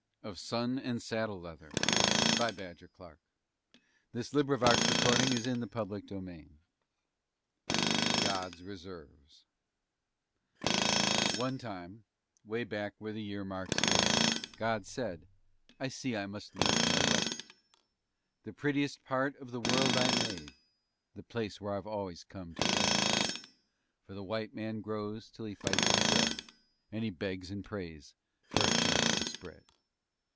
I know so well That he ain't here no more! [Illustration: "I wait to hear him ridin' up behind."] GOD'S RESERVES One time, 'way back where the year marks fade, God said: "I see I must lose my West, The prettiest part of the world I made, The place where I've always come to rest, For the White Man grows till he fights for bread And he begs and prays for a chance to spread.